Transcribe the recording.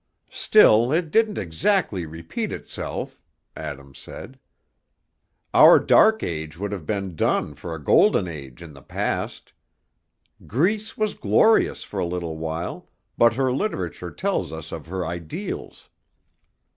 "Still, it didn't exactly repeat itself," Adam said. "Our dark age would have done for a golden age in the past. Greece was glorious for a little while, but her literature tells us of her ideals.